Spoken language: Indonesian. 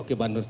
oke pak nur